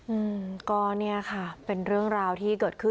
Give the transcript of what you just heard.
อืมก็เนี่ยค่ะเป็นเรื่องราวที่เกิดขึ้น